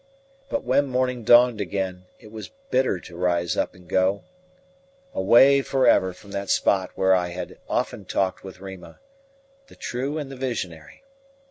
But when morning dawned again, it was bitter to rise up and go away for ever from that spot where I had often talked with Rima the true and the visionary.